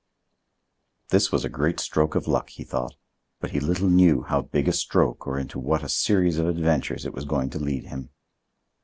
This was a great stroke of luck, he thought, but he little knew how big a stroke or into what a series of adventures it was going to lead him.